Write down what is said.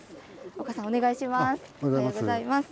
岡さん、お願いします。